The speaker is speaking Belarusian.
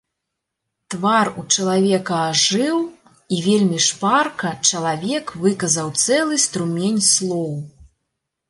Твар у чалавека ажыў, і вельмі шпарка чалавек выказаў цэлы струмень слоў.